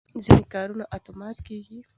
ځینې کارونه اتومات کېږي.